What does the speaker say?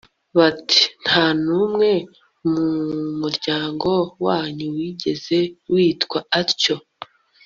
bati “ nta n'umwe mu muryango wanyu wigeze witwa atyo?